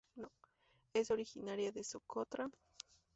Es originaria de Socotra.